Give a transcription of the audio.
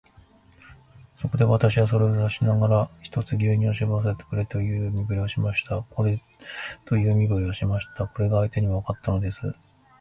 そこで、私はそれを指さしながら、ひとつ牛乳をしぼらせてくれという身振りをしました。これが相手にもわかったのです。